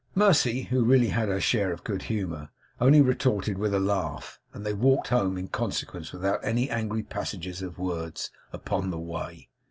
Mercy, who really had her share of good humour, only retorted with a laugh; and they walked home in consequence without any angry passages of words upon the way.